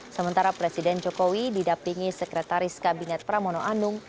sementara presiden jokowi didampingi sekretaris kabinet pramono anung